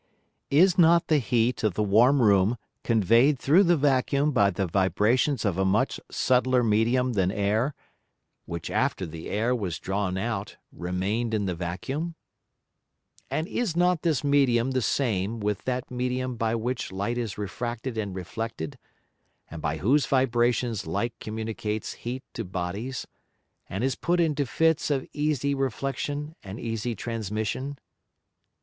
Is not the Heat of the warm Room convey'd through the Vacuum by the Vibrations of a much subtiler Medium than Air, which after the Air was drawn out remained in the Vacuum? And is not this Medium the same with that Medium by which Light is refracted and reflected, and by whose Vibrations Light communicates Heat to Bodies, and is put into Fits of easy Reflexion and easy Transmission?